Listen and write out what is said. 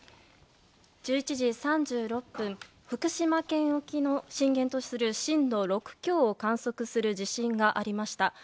１１時３６分福島県沖を震源とする震度６強を観測する地震がありました。